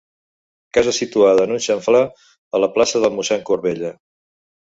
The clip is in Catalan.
Casa situada en un xamfrà a la plaça del Mossèn Corbella.